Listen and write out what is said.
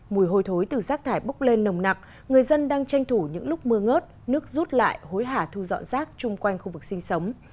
mùi hôi thối từ rác thải bốc lên nồng nặng người dân đang tranh thủ những lúc mưa ngớt nước rút lại hối hả thu dọn rác chung quanh khu vực sinh sống